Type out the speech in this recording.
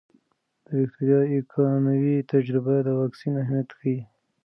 د ویکتوریا ایکانوي تجربه د واکسین اهمیت ښيي.